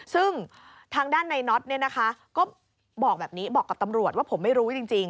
ซึ่งทางด้านในน็อตเนี่ยนะคะก็บอกแบบนี้บอกกับตำรวจว่าผมไม่รู้จริง